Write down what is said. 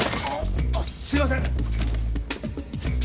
あっすいません。